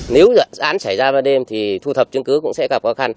nếu dự án xảy ra ban đêm thì thu thập chứng cứ cũng sẽ gặp khó khăn